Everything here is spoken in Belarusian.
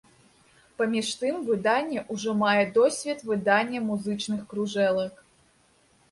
Паміж тым выданне ўжо мае досвед выдання музычных кружэлак.